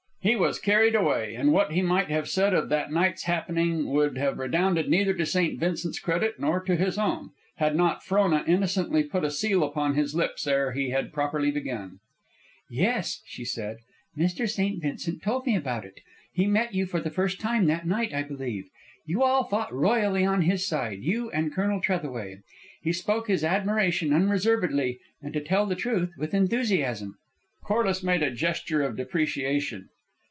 He was carried away, and what he might have said of that night's happening would have redounded neither to St. Vincent's credit nor to his own, had not Frona innocently put a seal upon his lips ere he had properly begun. "Yes," she said. "Mr. St. Vincent told me about it. He met you for the first time that night, I believe. You all fought royally on his side, you and Colonel Trethaway. He spoke his admiration unreservedly and, to tell the truth, with enthusiasm." Corliss made a gesture of depreciation.